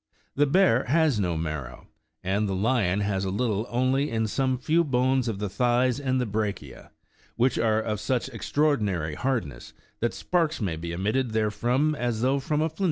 The bear has no marrow; and the lion has a little only in some few bones of the thighs and the brachia, which are of such extraordinary hardness that sparks may be emitted therefrom, as though from a flint st®ne.